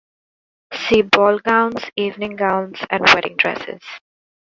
See ball gowns, evening gowns, and wedding dresses.